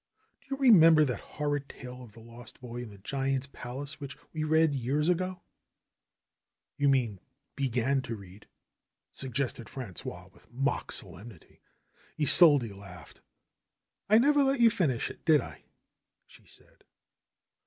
^^Do you remember that horrid tale of the lost boy in the giant's palace which we read years ago ?" "You mean began to read," suggested Frangois with mock solemnity. Isolde laughed. never let you finish it, did I ?" she said.